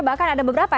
bahkan ada beberapa ya